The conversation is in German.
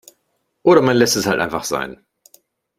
Oder man lässt es halt einfach sein.